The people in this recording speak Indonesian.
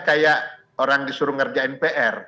kayak orang disuruh ngerjain pr